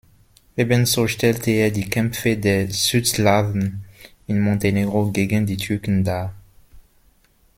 Ebenso stellte er die Kämpfe der Südslawen in Montenegro gegen die Türken dar.